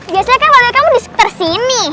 biasanya kan warga kamu di sekitar sini